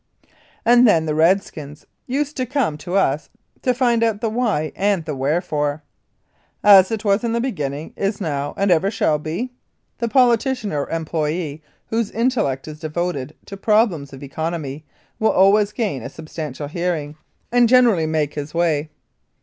And then the Redskins used to come to us to find out the why and the wherefore. "As it was in the beginning, is now, and ever shall be," the politician or employee whose intellect is devoted to problems of economy will always gain a substantial hearing, and generally make 81 Mounted Police Life in Canada his way.